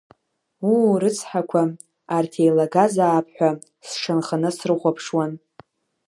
Уу, рыцҳақәа, арҭ еилагазаап ҳәа, сшанханы срыхәаԥшуан.